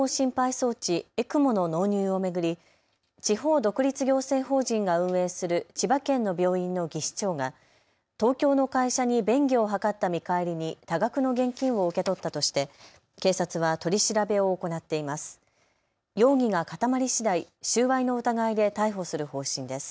装置・ＥＣＭＯの納入を巡り地方独立行政法人が運営する千葉県の病院の技士長が東京の会社に便宜を図った見返りに多額の現金を受け取ったとして警察は取り調べを行っています。